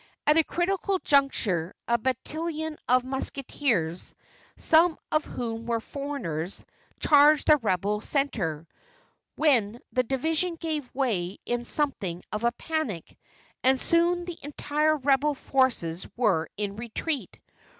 At a critical juncture a battalion of musketeers, some of whom were foreigners, charged the rebel centre, when the division gave way in something of a panic, and soon the entire rebel forces were in retreat.